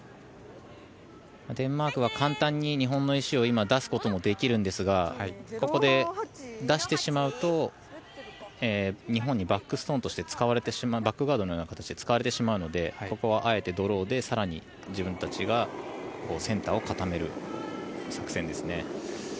デンマークは簡単に日本の石を今、出すこともできるんですがここで出してしまうと日本にバックストーンとしてバックガードのような形で使われてしまうのでここはあえてドローで更に自分たちがセンターを固める作戦ですね。